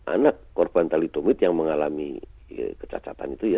anak korban talitomid yang mengalami kecacatan itu ya